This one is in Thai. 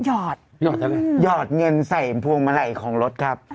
หอดหยอดทำไมหยอดเงินใส่พวงมาลัยของรถครับ